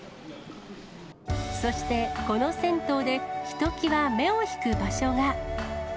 そしてこの銭湯で、ひときわ目を引く場所が。